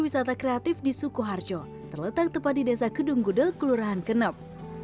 wisata kreatif di sukoharjo terletak tepat di desa kedung gudel kelurahan kenep